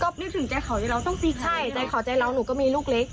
ก็นี่ถึงใจข่าวใจเราต้องตีขนาดนี้ใช่ใจข่าวใจเรานูก็มีลูกเล็ก